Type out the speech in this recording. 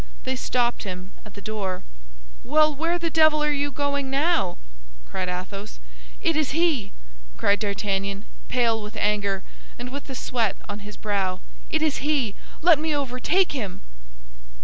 They stopped him at the door. "Well, where the devil are you going now?" cried Athos. "It is he!" cried D'Artagnan, pale with anger, and with the sweat on his brow, "it is he! let me overtake him!"